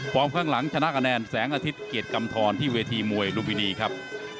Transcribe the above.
ข้างหลังชนะคะแนนแสงอาทิตย์เกียรติกำทรที่เวทีมวยลุมพินีครับ